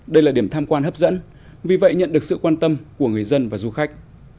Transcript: đây là điểm tham quan hấp dẫn vì vậy nhận được sự quan tâm của người dân và du khách